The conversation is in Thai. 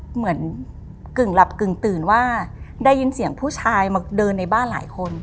กึ่งหลับกึ่งตื่นว่าได้ยินเสียงผู้ชายมาเดินในบ้านหลายคน